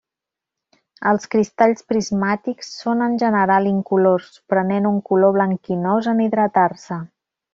Els cristalls prismàtics són en general incolors, prenent un color blanquinós en hidratar-se.